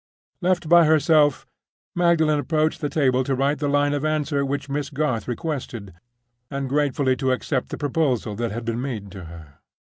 Left by herself, Magdalen approached the table to write the line of answer which Miss Garth requested, and gratefully to accept the proposal that had been made to her.